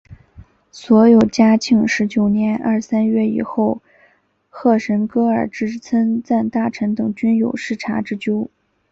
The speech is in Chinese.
所有嘉庆十九年二三月以后喀什噶尔之参赞大臣等均有失察之咎。